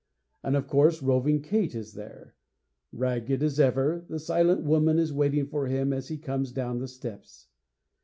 And, of course, Roving Kate is there. Ragged as ever, the Silent Woman is waiting for him as he comes down the steps.